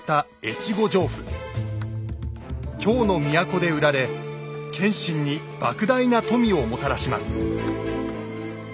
京の都で売られ謙信に莫大な富をもたらします。